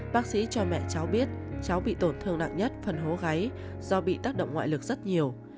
bác sĩ cho mẹ cháu biết cháu bị tổn thương nặng nhất phần hố gáy do bị tác động ngoại lực rất nhiều